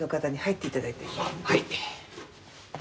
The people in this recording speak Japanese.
はい。